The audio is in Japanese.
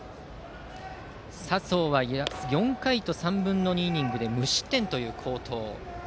佐宗は４回と３分の２イニングで無失点という好投。